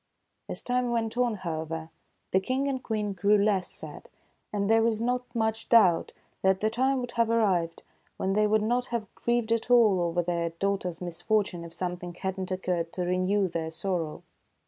As time went on, however, the King and Queen grew less sad, and there is not much doubt that the time would have ar rived when they would not have grieved at all over their daugh ter's misfortune if something had not occurred to renew their sorrow.